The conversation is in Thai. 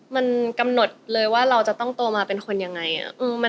มันกำหนดเลยว่าเราจะต้องโตมาเป็นคนยังไง